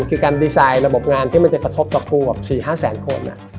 คือการดีไซน์ระบบงานที่มันจะกระทบกับครูแบบ๔๕แสนคน